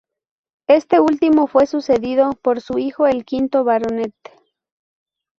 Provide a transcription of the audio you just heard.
Este último fue sucedido por su hijo, el quinto baronet.